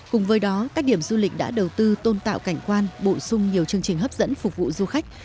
cùng với đó các điểm du lịch đã đầu tư tôn tạo cảnh quan bổ sung nhiều chương trình hấp dẫn phục vụ du khách